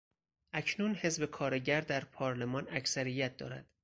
اکنون حزب کارگر در پارلمان اکثریت دارد.